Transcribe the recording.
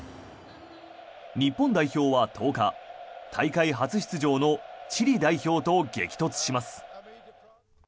日本代表は１０日、大会初出場のチリ代表と激突します。